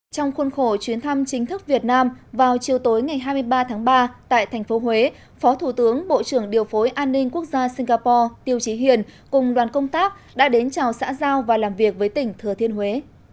trong khuôn khổ chuyến thăm chính thức việt nam vào chiều tối ngày hai mươi ba tháng ba tại thành phố huế phó thủ tướng bộ trưởng điều phối an ninh quốc gia singapore tiêu trí hiền cùng đoàn công tác đã đến chào xã giao và làm việc với tỉnh thừa thiên huế